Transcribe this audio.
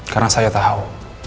karena saya tahu